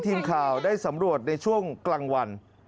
ทีมข่าวได้สำรวจในช่วงกลางวัน